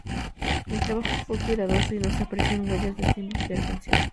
El trabajo fue cuidadoso y no se aprecian huellas de esta intervención.